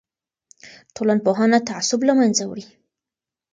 ټولنپوهنه تعصب له منځه وړي.